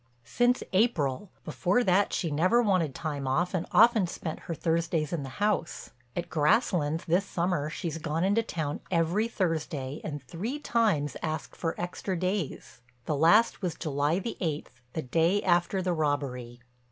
"Since April. Before that she never wanted time off and often spent her Thursdays in the house. At Grasslands this summer she's gone into town every Thursday and three times asked for extra days. The last was July the eighth, the day after the robbery."